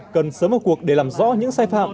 cần sớm một cuộc để làm rõ những sai phạm